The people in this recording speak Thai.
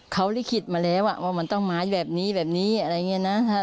เขาลิขิตมาแล้วว่ามันต้องมาแบบนี้แบบนี้อะไรอย่างนี้นะ